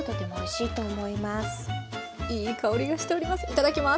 いい香りがしております。